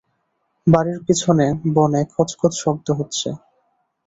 বাড়ির পিছনের বনে খচমচ শব্দ হচ্ছে।